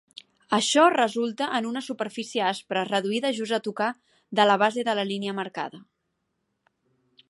Això resulta en una superfície aspre reduïda just a tocar de la base de la línia marcada.